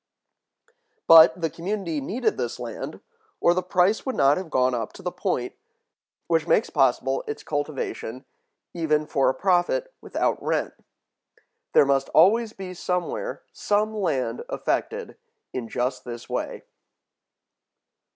But the community needed this land, or the price would not have gone up to the point which makes possible its cultivation even for a profit, without rent. There must always be somewhere some land affected in just this way.